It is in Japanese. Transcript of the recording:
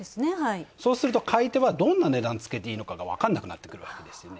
そうすると買い手はどんな値段をつけていいのか分かんなくなってくるわけですね。